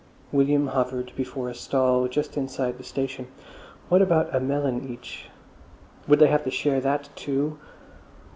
William hovered before a stall just inside the station. What about a melon each? Would they have to share that, too?